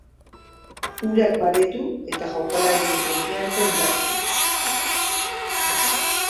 Urak baretu eta jokalarien konfiantza indartu.